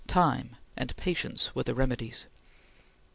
Time and patience were the remedies.